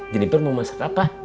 jadi mau masak apa